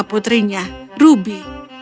ia adalah putrinya ruby